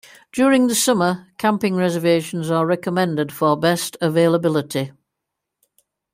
During the summer, camping reservations are recommended for best availability.